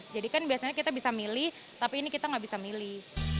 jadi kan biasanya kita bisa milih tapi ini kita gak bisa milih